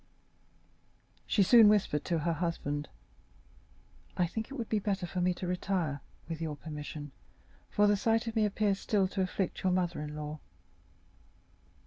She soon whispered to her husband: "I think it would be better for me to retire, with your permission, for the sight of me appears still to afflict your mother in law."